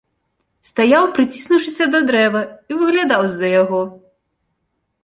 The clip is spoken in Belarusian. Стаяў, прыціснуўшыся да дрэва, і выглядаў з-за яго.